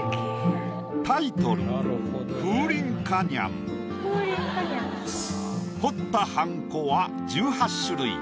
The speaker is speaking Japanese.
タイトル彫ったはんこは１８種類。